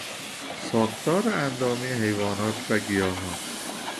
ساختار اندامی حیوانات و گیاهان